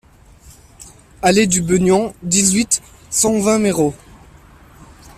Allée du Beugnon, dix-huit, cent vingt Méreau